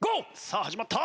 さあ始まった。